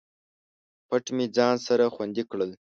پټ مې ځان سره خوندي کړل